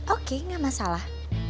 oke nggak masalah